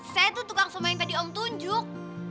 saya tuh tukang sama yang tadi om tunjuk